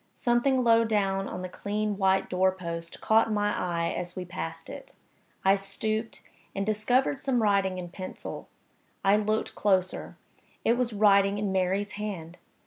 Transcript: Something low down on the clean white door post caught my eye as we passed it. I stooped, and discovered some writing in pencil. I looked closer it was writing in Mary's hand!